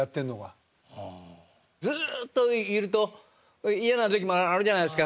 ずっといると嫌なる時もあるじゃないですか。